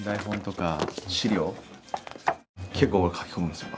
結構書き込むんですよ。